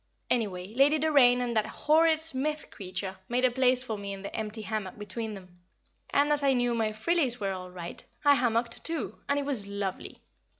Anyway, Lady Doraine and that horrid Smith creature made a place for me in the empty hammock between them, and, as I knew my "frillies" were all right, I hammocked too, and it was lovely.